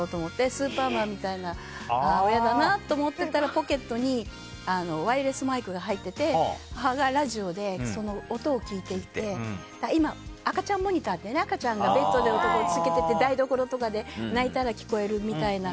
スーパーマンみたいな親だなって思ってたらポケットにワイヤレスマイクが入っていて母がラジオでその音を聞いていて今、赤ちゃんモニターで赤ちゃんがベッドで寝続けてて台所とかで泣いたら聞こえるみたいな。